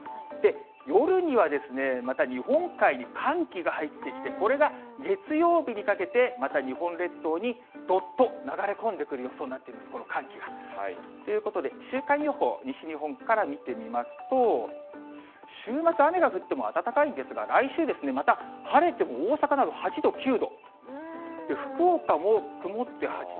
夜にはまた日本海に寒気が入ってきて、これが月曜日にかけてまた日本列島にどっと流れ込んでくる予想になっています、この寒気が。ということで、週間予報、西日本から見てみますと、週末、雨が降っても暖かいんですが、来週ですね、また晴れても大阪など８度、９度、福岡も曇って８度。